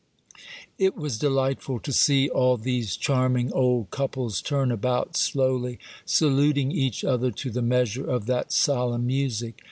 It was delightful to see all these charming old couples turn about slowly, sa luting each other to the measure of that solemn music.